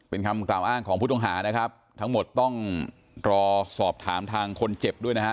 เป็นคำกล่าวอ้างของผู้ต้องหานะครับทั้งหมดต้องรอสอบถามทางคนเจ็บด้วยนะฮะ